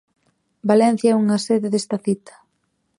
Valencia é unha sede desta cita.